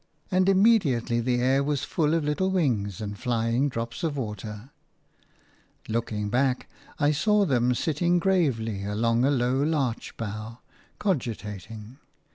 – and immediately the air was full of little wings and flying drops of water. Looking back, I saw them sitting gravely along a low larch bough, cogitating.